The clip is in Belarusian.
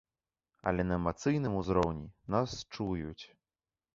Але на эмацыйным узроўні нас чуюць.